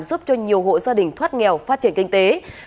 giúp cho nhiều hộ gia đình thoát nghèo phát triển kinh tế